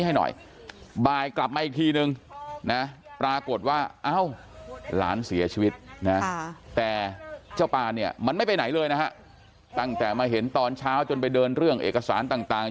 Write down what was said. หลานเสียชีวิตแต่เจ้าปานเนี่ยมันไม่ไปไหนเลยนะฮะตั้งแต่มาเห็นตอนเช้าจนไปเดินเรื่องเอกสารต่าง